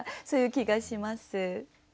そういう気がします。